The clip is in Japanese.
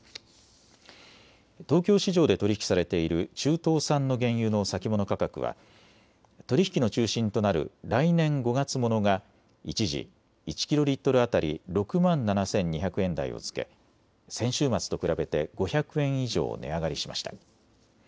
東京市場で取り引きされている中東産の原油の先物価格は取り引きの中心となる来年５月ものが一時、１キロリットル当たり６万７２００円台をつけ、先週末と比べて５００円以上値上がりしました。